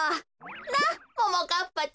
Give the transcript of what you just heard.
なあももかっぱちゃん！